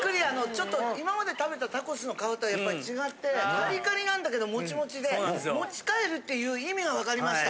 ちょっと今まで食べたタコスの皮とはやっぱり違ってカリカリなんだけどモチモチで持ち帰るっていう意味が分かりました。